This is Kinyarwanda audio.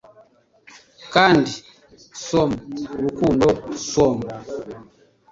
Kandi swoon urukundo swoon